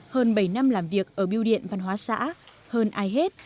hơn bảy năm làm việc ở biêu điện văn hóa xã hơn ai hết